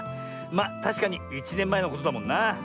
まあたしかに１ねんまえのことだもんな。